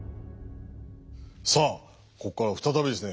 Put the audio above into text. さあここから再びですね